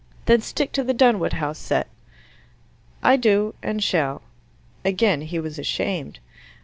"Then stick to the Dunwood House set." "I do, and shall." Again he was ashamed.